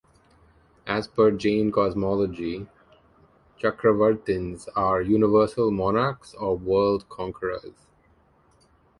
As per Jain cosmology, Chakravartins are "Universal Monarchs" or "World Conquerors".